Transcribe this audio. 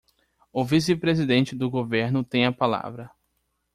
O vice-presidente do governo tem a palavra.